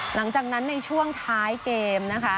หลังจากนั้นในช่วงท้ายเกมนะคะ